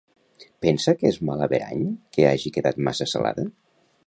Pensa que és mal averany que hagi quedat massa salada?